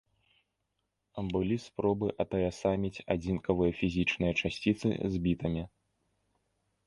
Былі спробы атаясаміць адзінкавыя фізічныя часціцы з бітамі.